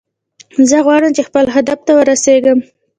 زه غواړم چې خپل هدف ته ورسیږم